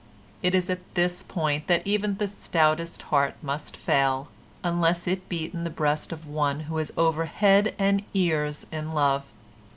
It is at this point that even the stoutest heart must fail, unless it beat in the breast of one who is over head and ears in love.